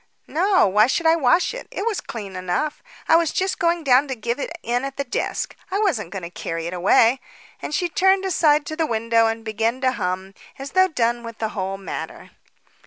"No. Why should I wash it? It was clean enough. I was just going down to give it in at the desk. I wasn't going to carry it away." And she turned aside to the window and began to hum, as though done with the whole matter.